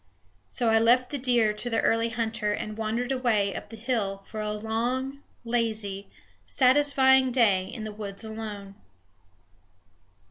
So I left the deer to the early hunter and wandered away up the hill for a long, lazy, satisfying day in the woods alone.